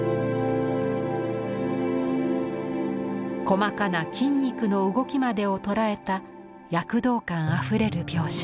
細かな筋肉の動きまでを捉えた躍動感あふれる描写。